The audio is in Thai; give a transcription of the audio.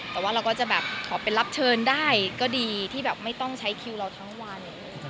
แต่ว่าเราก็จะแบบขอเป็นรับเชิญได้ก็ดีที่แบบไม่ต้องใช้คิวเราทั้งวัน